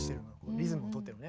リズムをとってるのね。